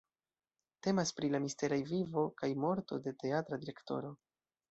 Temas pri la misteraj vivo kaj morto de teatra direktoro.